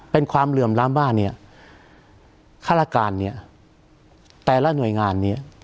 เป็นความเหลื่อมล้ำว่าเนี่ยฆาตการเนี่ยแต่ละหน่วยงานเนี่ย